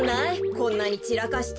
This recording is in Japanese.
こんなにちらかして。